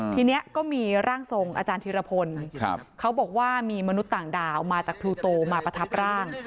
ทีนี้ก็มีร่างทรงอาจารย์ธิรพลเขาบอกว่ามีมนุษย์ต่างดาวมาจากพลูโตมาประทับร่าง